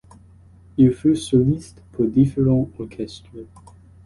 Il fut soliste pour différents orchestres.